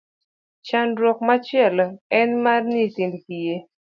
Chandruok machielo en mar nyithind kiye.